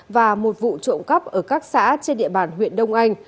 và một vụ trộm cắp ở các xã trên địa bàn huyện đông anh